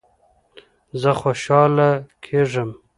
زه خوشحاله کیږم